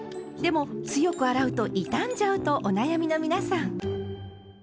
でも強く洗うと傷んじゃうとお悩みの皆さん。